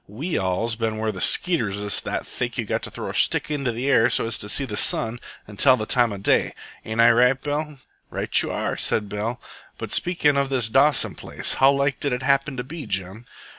"We all's ben where the skeeters is that thick you've got to throw a stick into the air so as to see the sun and tell the time of day. Ain't I right, Bill?" "Right you are," said Bill. "But speakin' of this Dawson place how like did it happen to be, Jim?"